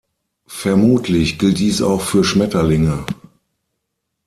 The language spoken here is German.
Vermutlich gilt dies auch für Schmetterlinge.